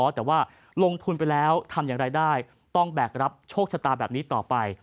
แต่ว่าลงทุนไปแล้วทำอย่างไรได้ต้องแบกรับโชคชะตาแบบนี้ต่อไป